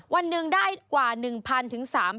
วันหนึ่งได้กว่า๑๐๐๐๓๐๐๐บาท